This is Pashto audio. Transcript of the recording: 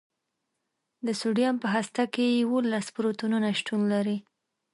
د سوډیم په هسته کې یوولس پروتونونه شتون لري.